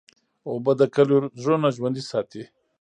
اوبه د کلیو زړونه ژوندی ساتي.